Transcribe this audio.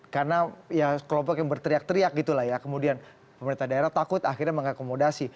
karena kelompok yang berteriak teriak gitu lah ya kemudian pemerintah daerah takut akhirnya mengakomodasi